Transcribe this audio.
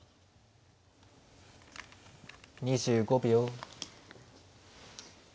２５秒。